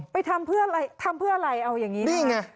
ทำเพื่ออะไรทำเพื่ออะไรเอาอย่างนี้นี่ไง